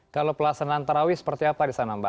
kalau pelasan antarawi seperti apa di sana mbak